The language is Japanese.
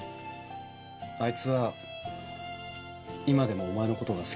あいつは今でもお前のことが好きだと思う。